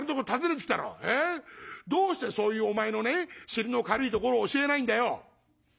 どうしてそういうお前のね尻の軽いところを教えないんだよ」。